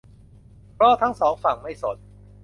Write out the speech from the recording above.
เพราะทั้งสองฝั่งไม่สน